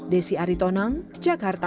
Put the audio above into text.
desi aritonang jakarta